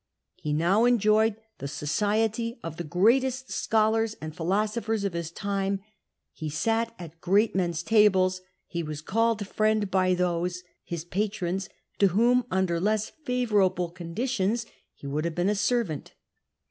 He now enjoyed the society of the greatest scholars and philosophers of his time, ho sat at great men's tables, he was called friend by those — his patrons — ^to whom under less favourable conditions he would have been a servant.